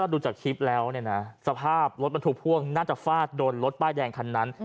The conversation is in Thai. ดูจากคลิปแล้วเนี่ยนะสภาพรถบรรทุกพ่วงน่าจะฟาดโดนรถป้ายแดงคันนั้น